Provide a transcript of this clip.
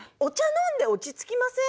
飲んで落ち着きません？